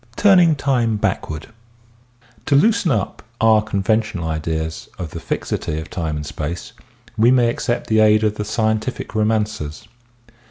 TURNING TIME BACKWARD To loosen up our conventional ideas of the fixity of time and space we may accept the aid of the scientific romancers.